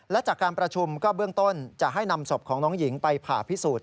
และจากการประชุมก็เบื้องต้นจะให้นำศพของน้องหญิงไปผ่าพิสูจน